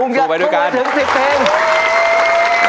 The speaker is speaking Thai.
ลุงอยากสู้มาถึงสิบเพลง